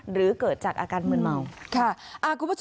หรือเกิดจากอาการมืนเมาค่ะคุณผู้ชม